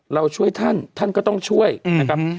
เราช่วยท่านท่านก็ต้องช่วยนะครับ